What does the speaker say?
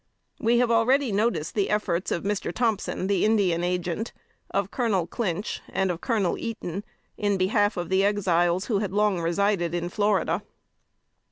We have already noticed the efforts of Mr. Thompson, the Indian Agent, of Colonel Clinch, and of Colonel Eaton, in behalf of the Exiles, who had long resided in Florida.